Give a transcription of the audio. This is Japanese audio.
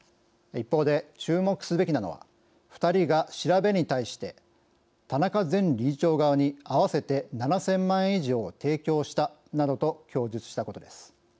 一方で、注目すべきなのは２人が調べに対して「田中前理事長側に合わせて７０００万円以上を提供した」などと供述したことです。